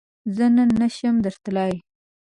زۀ نن نشم درتلای